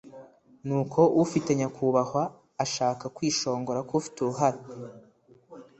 Nuko ufite nyakubahwa ashaka kwishongora ku ufite uruhara